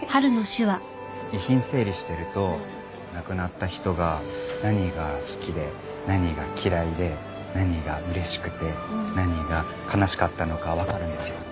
遺品整理してると亡くなった人が何が好きで何が嫌いで何が嬉しくて何が悲しかったのかわかるんですよ。